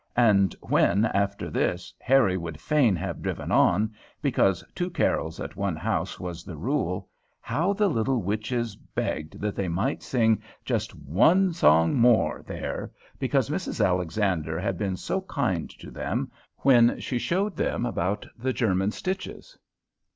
And when, after this, Harry would fain have driven on, because two carols at one house was the rule, how the little witches begged that they might sing just one song more there, because Mrs. Alexander had been so kind to them, when she showed them about the German stitches.